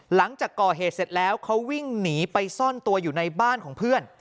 หลังจากก่อเหตุเสร็จแล้วเขาวิ่งหนีไปซ่อนตัวอยู่ในบ้านของเพื่อน